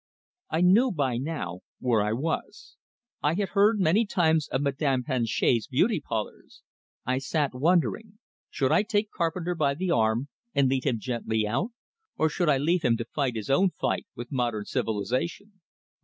I knew by now where I was. I had heard many times of Madame Planchet's beauty parlors. I sat, wondering; should I take Carpenter by the arm, and lead him gently out? Or should I leave him to fight his own fight with modern civilization?